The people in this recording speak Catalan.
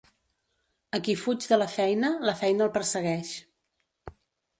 A qui fuig de la feina, la feina el persegueix.